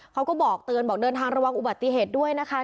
เขาก็บอกเตือนบอกเดินทางระวังอุบัติเหตุด้วยนะคะ